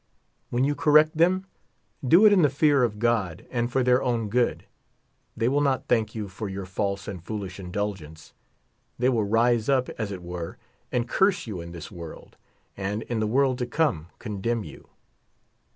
When you correct them, do it in the fear of God, and for their own good. They will not thank you for your false and foolish indulgence ; the}' will rise up, as it were, and curse you in this world ; and, in the world to come, con demn you.